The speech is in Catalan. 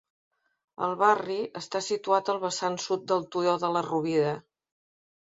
El barri està situat al vessant sud del Turó de la Rovira.